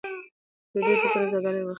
دا دود د ټولنیز عدالت مخه نیسي.